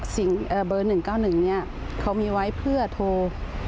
เบอร์๑๙๑นี้เขามีไว้เพื่อโทร